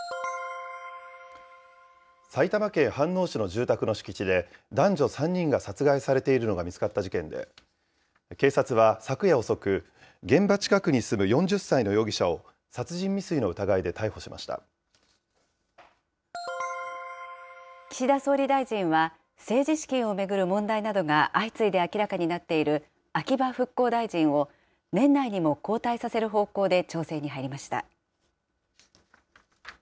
埼玉県飯能市の住宅の敷地で、男女３人が殺害されているのが見つかった事件で、警察は昨夜遅く、現場近くに住む４０歳の容疑者を岸田総理大臣は、政治資金を巡る問題などが相次いで明らかになっている秋葉復興大臣を、年内にも交代させる方向で調整に入りました。